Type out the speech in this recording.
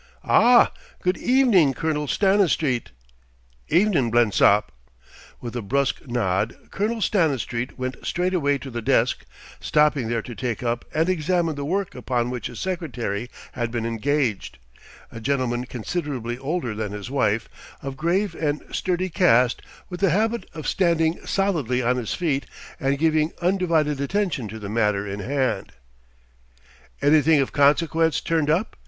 "Ah, good evening, Colonel Stanistreet." "Evening, Blensop." With a brusque nod, Colonel Stanistreet went straightway to the desk, stopping there to take up and examine the work upon which his secretary had been engaged: a gentleman considerably older than his wife, of grave and sturdy cast, with the habit of standing solidly on his feet and giving undivided attention to the matter in hand. "Anything of consequence turned up?"